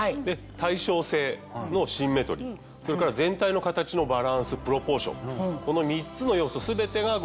対称性のシンメトリーそれから全体の形のバランスプロポーション。